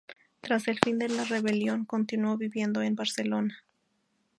Tras el fin de la rebelión continuó viviendo en Barcelona.